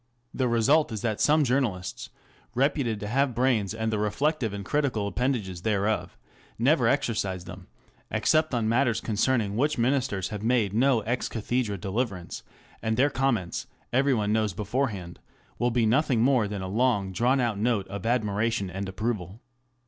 The result is that some journalists, reputed to have brains and the reflective and critical appendages thereof, never exercise them except on matters concerning which Ministers have made no ex cathedrd deliverance, and their comments, every one knows beforehand, will be nothing more than a long drawn out note of admiration and approval.